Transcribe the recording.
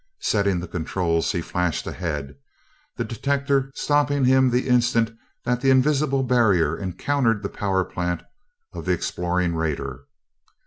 Setting the controls, he flashed ahead, the detector stopping him the instant that the invisible barrier encountered the power plant of the exploring raider.